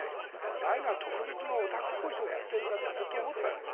ああいうのは特別なオタクっぽい人がやってるんだとずっと思ってたんです。